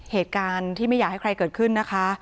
เหตุการณ์ที่ไม่อยากให้ใครเกิดขึ้นนะคะ